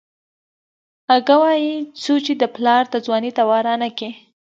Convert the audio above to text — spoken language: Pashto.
اگه وايي څو چې دې پلار د ځوانۍ دوا رانکي.